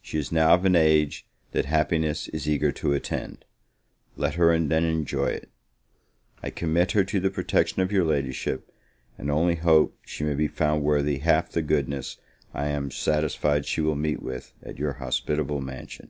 She is now of an age that happiness is eager to attend, let her then enjoy it! I commit her to the protection of your Ladyship, and only hope she may be found worthy half the goodness I am satisfied she will meet with at your hospitable mansion.